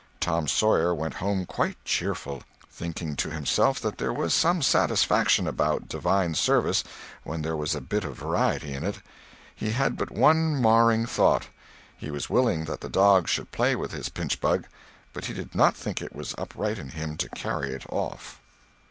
Tom Sawyer went home quite cheerful, thinking to himself that there was some satisfaction about divine service when there was a bit of variety in it. He had but one marring thought; he was willing that the dog should play with his pinchbug, but he did not think it was upright in him to carry it off.